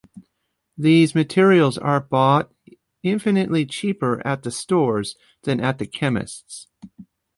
These materials are bought infinitely cheaper at the stores, than at the chemists.